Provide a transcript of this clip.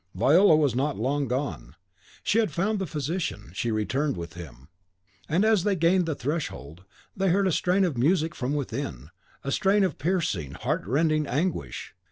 Viola was not long gone: she had found the physician; she returned with him; and as they gained the threshold, they heard a strain of music from within, a strain of piercing, heart rending anguish.